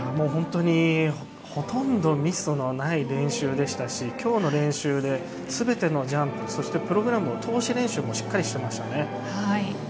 本当にほとんどミスのない練習でしたし今日の練習で、全てのジャンププログラムも通し練習をしっかりしていましたね。